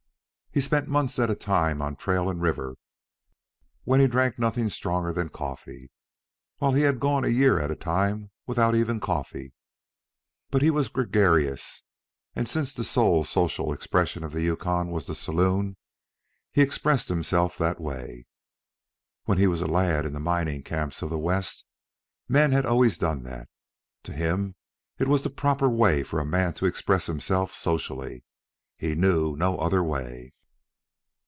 He spent months at a time on trail and river when he drank nothing stronger than coffee, while he had gone a year at a time without even coffee. But he was gregarious, and since the sole social expression of the Yukon was the saloon, he expressed himself that way. When he was a lad in the mining camps of the West, men had always done that. To him it was the proper way for a man to express himself socially. He knew no other way.